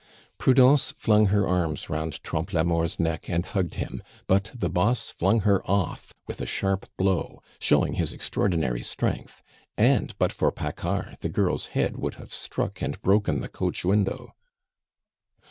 Prudence flung her arms round Trompe la Mort's neck and hugged him; but the boss flung her off with a sharp blow, showing his extraordinary strength, and but for Paccard, the girl's head would have struck and broken the coach window.